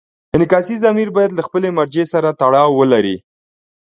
انعکاسي ضمیر باید له خپلې مرجع سره تړاو ولري.